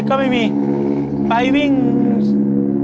เราไม่มีอะไรเลยพร้อมงานกี๊ก็ไม่มี